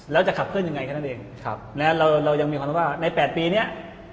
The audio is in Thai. แล้วจะขับเคลื่อนยังไงแค่นั้นเองเราเรายังมีความคิดว่าใน๘ปีเนี้ย